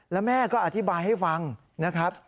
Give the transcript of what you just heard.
แล้วแม่ก็อธิบายให้ฟังนะครับ